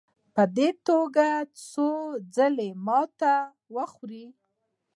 په دې توګه څو ځله ماتې وخوړې.